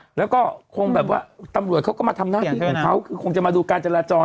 แล้วก็คงแบบว่าตำรวจเขาก็มาทำหน้าที่ของเขาคือคงจะมาดูการจราจร